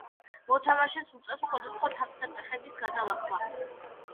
მოთამაშეს უწევს სხვადასხვა თავსატეხების გადალახვა.